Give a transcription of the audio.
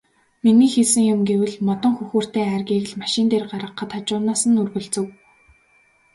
Миний хийсэн юм гэвэл модон хөхүүртэй айргийг л машин дээр гаргахад хажуугаас нь өргөлцөв.